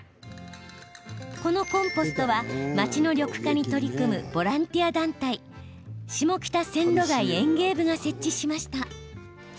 このコンポストは街の緑化に取り組むボランティア団体下北線路街園藝部が設置しました。